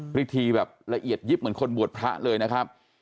พิธีแบบละเอียดยิบเหมือนคนบวชพระเลยนะครับ